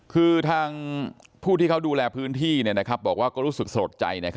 คือทางผู้ที่เขาดูแลพื้นที่บอกว่าก็รู้สึกสลดใจ